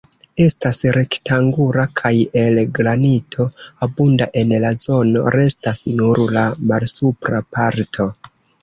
Estas rektangula kaj el granito abunda en la zono: restas nur la malsupra parto.